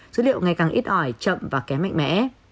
dữ liệu ngày càng ít ỏi chậm và kém mạnh mẽ